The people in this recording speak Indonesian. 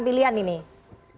jadi itu adalah pilihan pilihan ini